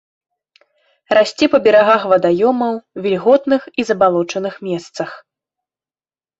Расце па берагах вадаёмаў, вільготных і забалочаных месцах.